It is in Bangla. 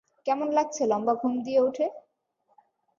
কেমন লাগছে লম্বা ঘুম দিয়ে উঠে?